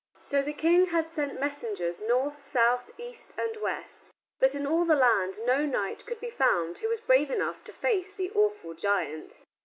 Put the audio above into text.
So the King had sent messengers north, south, east, and west, but in all the land no knight could be found who was brave enough to face the awful giant.